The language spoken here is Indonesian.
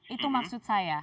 itu maksud saya